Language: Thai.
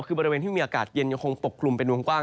คือบริเวณที่มีอากาศเย็นยังคงปกคลุมเป็นวงกว้าง